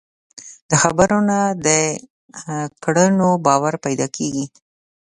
د خبرو نه، د کړنو باور پیدا کېږي.